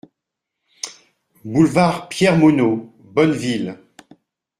Boulevard Pierre Monod, Bonneville